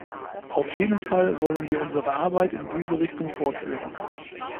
Auf jeden Fall wollen wir unsere Arbeit in diese Richtung fortführen.